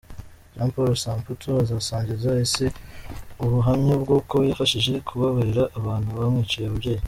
Jean Paul Samputu azasangiza isi ubuhamya bw’uko yabashije kubabarira abantu bamwiciye ababyeyi.